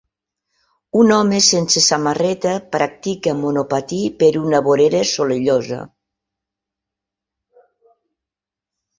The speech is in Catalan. Un home sense samarreta practica monopatí per una vorera solellosa